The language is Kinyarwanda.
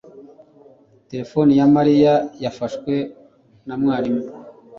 Terefone ya Mariya yafashwe na mwarimu.